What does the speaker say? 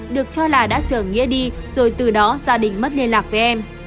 được cho là đã chở nghĩa đi rồi từ đó gia đình mất liên lạc với em